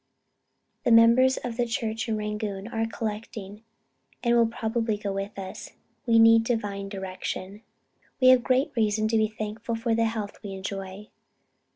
The members of the church in Rangoon are collecting and will probably go with us. We need divine direction. "We have great reason to be thankful for the health we enjoy.